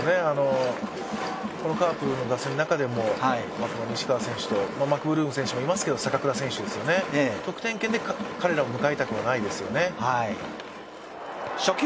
カープの打線の中でも西川選手とマクブルーム選手もいますけど坂倉選手ですよね、得点圏で彼らを迎えたくはないですよね。